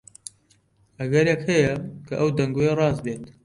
ئەگەرێک هەیە کە ئەو دەنگۆیە ڕاست بێت.